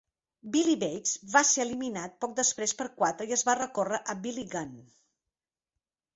Billy Bates va ser eliminat poc després per quatre i es va recórrer a Billy Gunn.